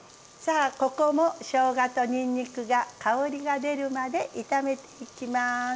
さあここもしょうがとにんにくが香りが出るまで炒めていきます。